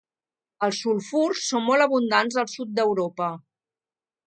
Els sulfurs són molt abundants al sud d'Europa.